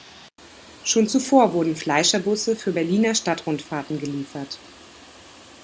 Schon zuvor wurden Fleischer-Busse für Berliner Stadtrundfahrten geliefert.